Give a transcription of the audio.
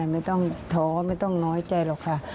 ไม่ต้องท้อไม่ต้องน้อยใจหรอกค่ะ